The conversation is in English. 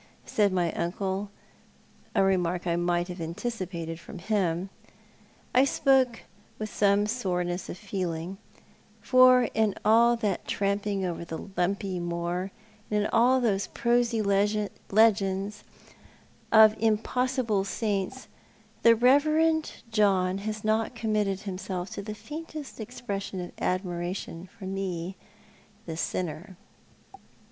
said my uncle, a remark I might have anticipated from him. I spoke with some soreness of feeling, for in all that tramping over the lumpy moor, and in all those prosy legends of im 204 Thou art the Man. possible saints, the Eeverend John has not committed himself to the faintest expression of admiration for me, the sinner.